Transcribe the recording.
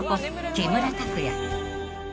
木村拓哉］